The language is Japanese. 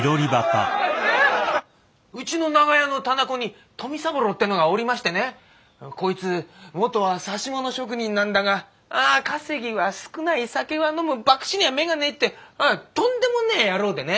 うちの長屋の店子に富三郎ってのがおりましてねこいつ元は指物職人なんだがあ稼ぎは少ない酒は飲む博打には目がねえってああとんでもねえ野郎でね。